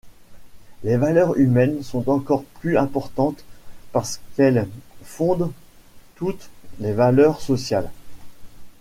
Les valeurs humaines sont encore plus importantes parce qu’elles fondent toutes les valeurs sociales.